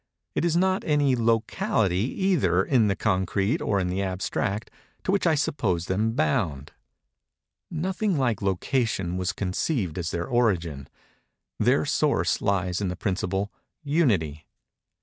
It is not any locality, either in the concrete or in the abstract, to which I suppose them bound. Nothing like location was conceived as their origin. Their source lies in the principle, Unity.